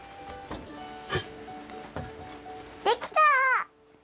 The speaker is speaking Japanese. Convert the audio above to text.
できた！